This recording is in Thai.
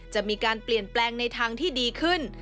จะมีการเปลี่ยนแปลงในทางที่ดีขึ้น